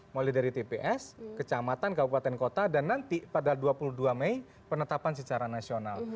mulai dari tps kecamatan kabupaten kota dan nanti pada dua puluh dua mei penetapan secara nasional